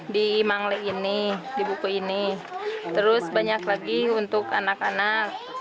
di mangli ini di buku ini terus banyak lagi untuk anak anak